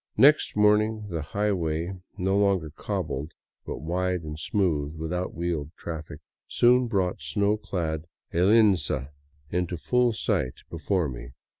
Next morning the highway, no longer cobbled, but wide and smooth, without wheeled traffic, soon brought snow clad Illinaza into full sight before me.